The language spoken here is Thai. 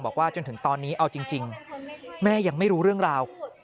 บอกว่าจนถึงตอนนี้เอาจริงแม่ยังไม่รู้เรื่องราว